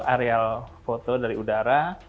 aerial foto dari udara